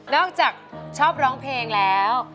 อกจากชอบร้องเพลงแล้ว